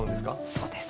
そうです。